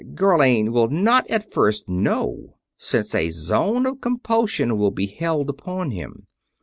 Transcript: Gharlane will not at first know; since a zone of compulsion will be held upon him.